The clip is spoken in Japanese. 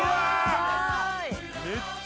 すごい。